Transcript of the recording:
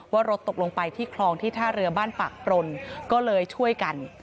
ว่ารถตกลงไปที่คลองที่ท่าเรือบ้านปากปรนก็เลยช่วยกัน